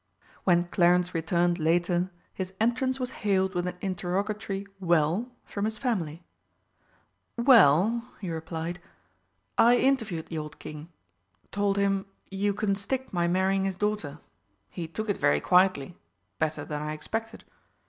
When Clarence returned later his entrance was hailed with an interrogatory "Well?" from his family. "Well," he replied, "I interviewed the old King. Told him you couldn't stick my marrying his daughter. He took it very quietly better than I expected.